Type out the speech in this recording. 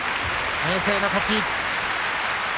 明生の勝ち。